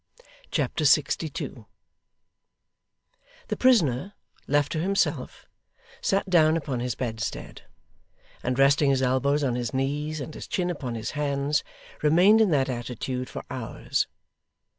Chapter 62 The prisoner, left to himself, sat down upon his bedstead: and resting his elbows on his knees, and his chin upon his hands, remained in that attitude for hours.